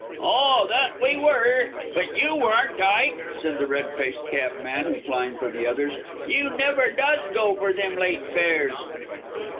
"Ah! that we were, but you worn't, Ike," said the red faced cabman, replying for the others. "You never does go fur them late fares."